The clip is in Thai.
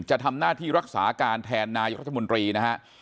จะทำหน้าที่รักษาการแทนนายรัฐมนตรีนะฮะ